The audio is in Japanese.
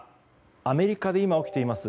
アメリカで今起きています